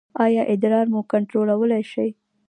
ایا ادرار مو کنټرولولی شئ؟